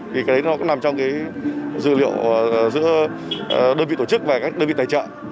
thì cái đấy nó cũng nằm trong cái dữ liệu giữa đơn vị tổ chức và các đơn vị tài trợ